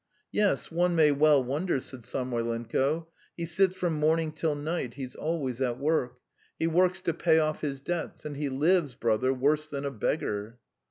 "Yes, one may well wonder," said Samoylenko. "He sits from morning till night, he's always at work. He works to pay off his debts. And he lives, brother, worse than a beggar!"